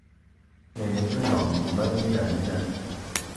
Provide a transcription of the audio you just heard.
Mini te nòṅ duma mina mina